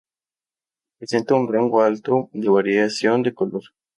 Presenta un rango alto de variación de color.